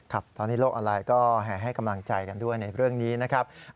ครับตอนนี้โลกออนไลน์ก็แห่ให้กำลังใจกันด้วยในเรื่องนี้นะครับ